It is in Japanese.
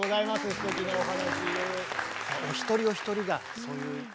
すてきなお話。